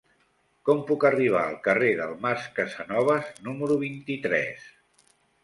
Com puc arribar al carrer del Mas Casanovas número vint-i-tres?